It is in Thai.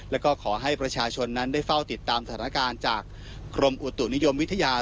แล้วก็ขอให้ประชาชนนั้นได้เฝ้าติดตามสถานการณ์จากกรมอุตุนิยมวิทยา